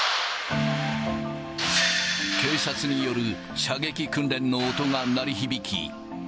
警察による射撃訓練の音が鳴り響き。